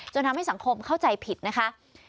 ทำให้สังคมเข้าใจผิดนะคะ